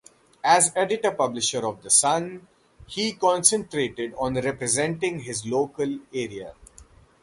As editor-publisher of the "Sun", he concentrated on representing his local area.